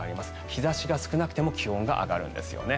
日差しが少なくても気温が上がるんですね。